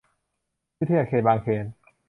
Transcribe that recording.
วิทยาเขตบางเขน